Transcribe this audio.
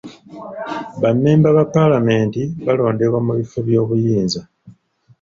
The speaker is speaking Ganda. Bammemba ba paalamenti balondebwa mu bifo by'obuyinza.